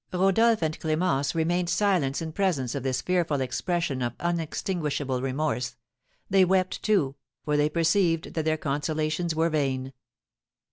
Rodolph and Clémence remained silent in presence of this fearful expression of unextinguishable remorse; they wept, too, for they perceived that their consolations were vain.